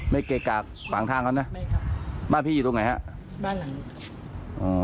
เกะกะฝั่งทางเขานะไม่ครับบ้านพี่อยู่ตรงไหนฮะบ้านหลังนี้อ๋อ